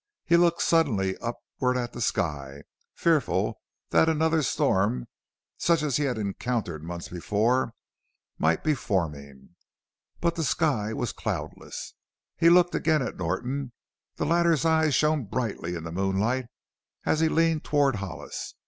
He looked suddenly upward at the sky, fearful that another storm, such as he had encountered months before, might be forming. But the sky was cloudless. He looked again at Norton. The latter's eyes shone brightly in the moonlight as he leaned toward Hollis.